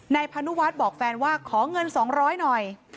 นายพนุวัฒน์บอกแฟนว่าขอเงินสองร้อยหน่อย